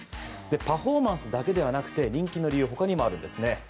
パフォーマンスだけではなくて人気の理由はほかにもあるんですね。